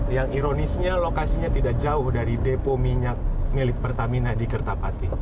yang ironisnya lokasinya tidak jauh dari depo minyak milik pertamina di kertapati